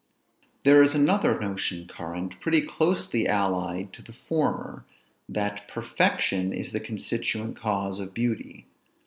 There is another notion current, pretty closely allied to the former; that perfection is the constituent cause of beauty.